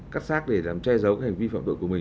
cắt sát để làm che giấu hành vi phạm độ của mình